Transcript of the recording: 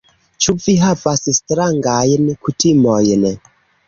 Ĉu vi havas strangajn kutimojn?